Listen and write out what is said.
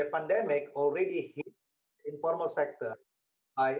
tapi tentu saja uang untuk hobi itu